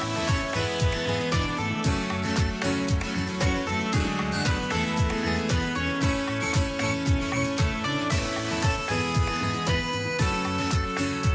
โปรดติดตามตอนต่อไป